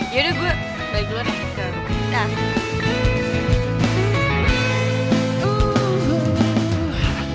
yaudah gue balik dulu deh